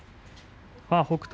北勝